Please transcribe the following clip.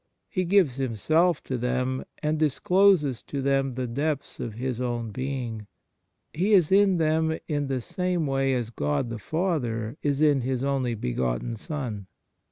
He gives Himself to them and discloses to them the depths of His own Being. He is in them in the same way as God the Father is in His only begotten Son.